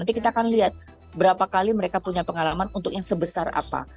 nanti kita akan lihat berapa kali mereka punya pengalaman untuk yang sebesar apa